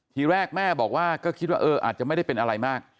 ทีแรกแม่บอกว่าก็คิดว่าเอออาจจะไม่ได้เป็นอะไรมาก